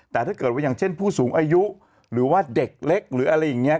แต่ถ้าเกิดว่าอย่างเช่นผู้สูงอายุหรือว่าเด็กเล็กหรืออะไรอย่างนี้